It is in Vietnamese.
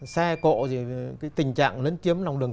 xe cộ gì tình trạng lấn chiếm lòng đường